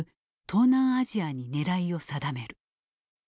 東南アジアに狙いを定める。